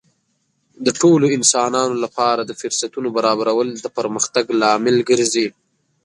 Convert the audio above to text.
د ټولو انسانانو لپاره د فرصتونو برابرول د پرمختګ لامل ګرځي.